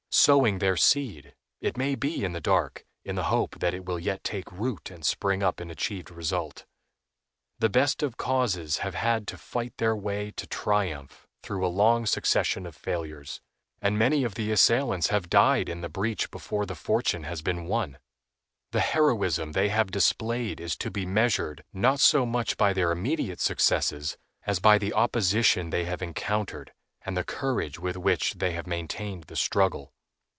Sowing their seed, it may be in the dark, in the hope that it will yet take root and spring up in achieved result. The best of causes have had to fight their way to triumph through a long succession of failures, and many of the assailants have died in the breach before the fortune has been won. The heroism they have displayed is to be measured, not so much by their immediate successes, as by the opposition they have encountered and the courage with which they have maintained the struggle.